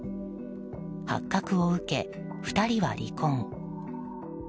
発覚を受け、２人は離婚。